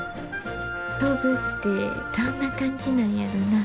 飛ぶってどんな感じなんやろな。